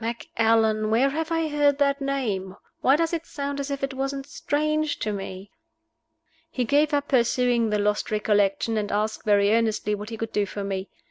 "Macallan? Where have I heard that name? Why does it sound as if it wasn't strange to me?" He gave up pursuing the lost recollection, and asked, very earnestly, what he could do for me.